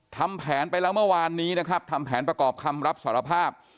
ทำแผนไปแล้วเมื่อวานนี้นะครับทำแผนประกอบคำรับสารภาพ